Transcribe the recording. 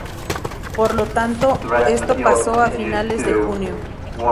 Por lo tanto, esto pasó a finales de junio.